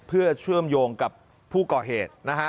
เพื่อเชื่อมโยงกับผู้ก่อเหตุนะฮะ